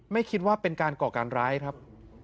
ไม่คิดว่าเป็นการก่อการร้ายครับ